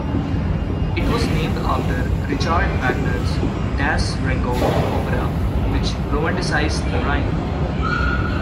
It was named after Richard Wagner's "Das Rheingold" opera, which romanticized the Rhine.